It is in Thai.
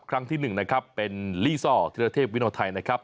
ครั้งที่๑นะครับเป็นลี่ซ่อธิรเทพวิโนไทยนะครับ